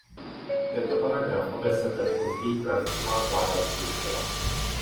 Tento paragraf o deset let později pravicová vláda zrušila.